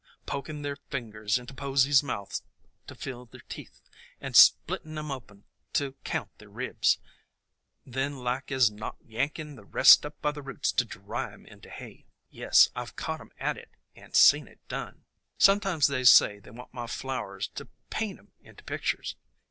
poking their fingers into posies' mouths to feel their teeth, and splittin' 'em open to count their ribs! Then like THE COMING OF SPRING 3 as not yanking the rest up by the roots to dry 'em into hay. Yes, I 've caught 'em at it and seen it done ! "Sometimes they say they want my flowers to paint 'em into pictures.